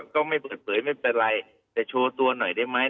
ก็ไม่เปิดเผยไม่เป็นไรแต่โชว์ตัวหน่อยได้ไหม